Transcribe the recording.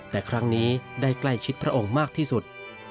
แต่ครั้งนี้ได้ใกล้ชิดพระองค์มากที่สุด